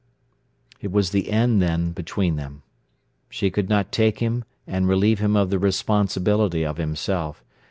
It was the end then between them. She could not take him and relieve him of the responsibility of himself.